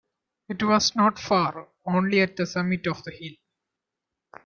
It was not far, only at the summit of the hill.